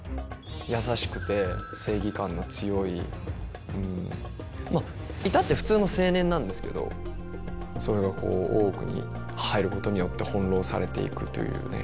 優しくて正義感の強いまあ至って普通の青年なんですけどそれがこう大奥に入ることによって翻弄されていくというね。